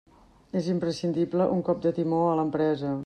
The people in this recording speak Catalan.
És imprescindible un cop de timó a l'empresa.